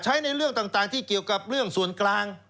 ในเรื่องต่างที่เกี่ยวกับเรื่องส่วนกลาง